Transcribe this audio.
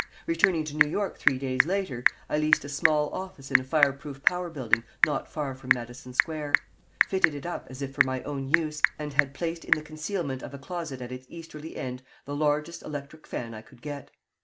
Returning to New York three days later, I leased a small office in a fire proof power building not far from Madison Square, fitted it up as if for my own use, and had placed in the concealment of a closet at its easterly end the largest electric fan I could get.